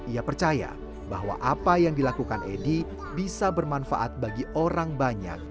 ia percaya bahwa apa yang dilakukan edy bisa bermanfaat bagi orang banyak